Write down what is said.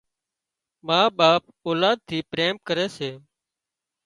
ما ٻاپ اولاد ٿي پريم ڪري سي